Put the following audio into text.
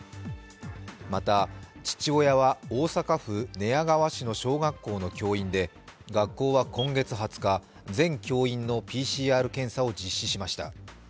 また父親は大阪府寝屋川市の小学校の教員で学校は今月２０日、全教員のＰＣＲ検査を実施しました。